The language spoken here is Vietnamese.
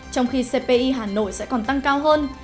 trong khi cpi hà nội sẽ còn tăng cao hơn